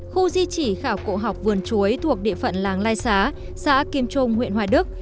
khu di chỉ khảo cổ học vườn chuối thuộc địa phận làng lai xá xã kim trung huyện hoài đức